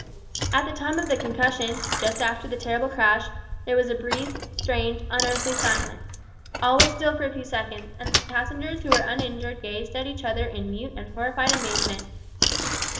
At the time of the concussion just after the terrible crash there was a brief, strange, unearthly silence. All was still for a few seconds, and passengers who were uninjured gazed at each other in mute and horrified amazement.